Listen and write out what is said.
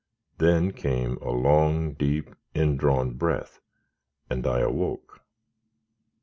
Then came a long, deep, indrawn breath, and I awoke.